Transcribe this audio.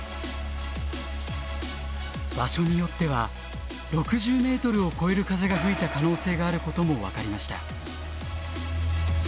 場所によっては６０ｍを超える風が吹いた可能性があることも分かりました。